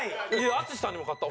淳さんにも勝った。